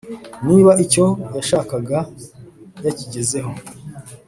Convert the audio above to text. niba icyo yashakaga yakigezeho